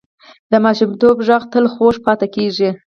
د ماشومتوب غږ تل خوږ پاتې کېږي